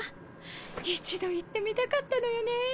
一度行ってみたかったのよね。